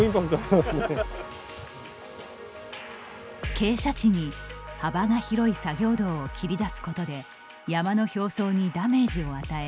傾斜地に、幅が広い作業道を切り出すことで山の表層にダメージを与え